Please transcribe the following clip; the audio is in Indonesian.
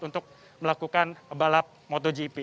untuk melakukan balap motogp